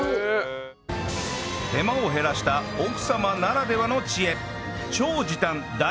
手間を減らした奥様ならではの知恵